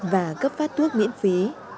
và cấp phát thuốc miễn phí